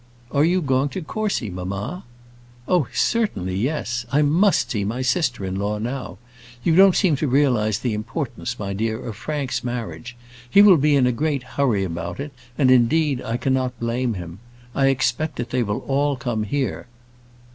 "Are you going to Courcy, mamma?" "Oh, certainly; yes, I must see my sister in law now. You don't seem to realise the importance, my dear, of Frank's marriage. He will be in a great hurry about it, and, indeed, I cannot blame him. I expect that they will all come here."